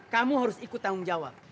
kamu harus ikut tanggung jawab